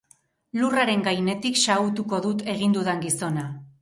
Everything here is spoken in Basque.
Lurraren gainetik xahutuko dut egin dudan gizona.